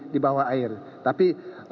di bawah air tapi